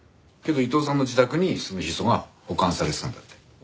けど伊藤さんの自宅にそのヒ素が保管されてたんだって。